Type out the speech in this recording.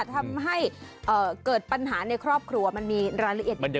ทำให้เกิดปัญหาในครอบครัวมันมีรายละเอียดเหมือนกัน